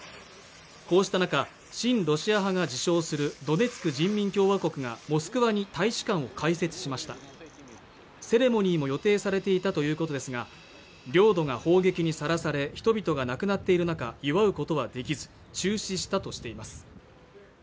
こうした中、親ロシア派が自称するドネツク人民共和国がモスクワに大使館を開設しましたセレモニーも予定されていたということですが領土が砲撃にさらされ人々が亡くなっている中祝うことはできず中止したとしています